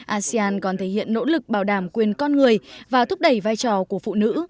asean còn thể hiện nỗ lực bảo đảm quyền con người và thúc đẩy vai trò của phụ nữ